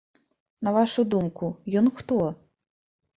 На вашу думку, ён хто?